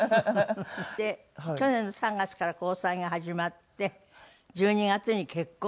で去年の３月から交際が始まって１２月に結婚？